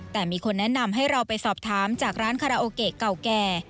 แต่มีคนแนะนำให้เราไปสอบถามจากร้านคาราโอเกะเก่าแก่